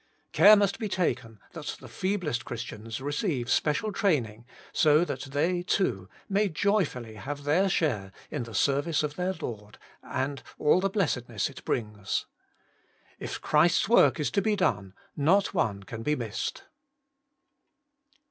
Care must be taken that the feeblest Christians receive special training, so that they, too, may joyfully have their share in the service of their Lord and all the blessedness it brings. If Christ's work is to be done, not one can be missed.